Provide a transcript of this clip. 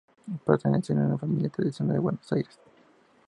Perteneció a una familia tradicional de Buenos Aires.